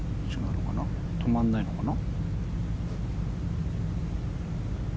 止まらないのかな？